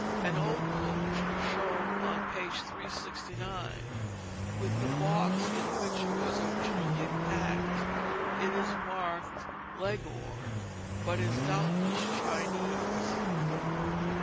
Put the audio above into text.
An old coach is shown on page 369, with the box in which it was originally packed. It is marked Leghorn, but is doubtless Chinese.